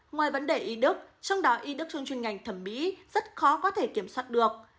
ngoài vấn đề y đức trong đó y đức chương chuyên ngành thẩm mỹ rất khó có thể kiểm soát được